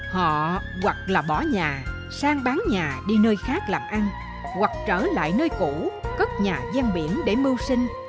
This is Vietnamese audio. họ hoặc là bỏ nhà sang bán nhà đi nơi khác làm ăn hoặc trở lại nơi cũ cất nhà gian biển để mưu sinh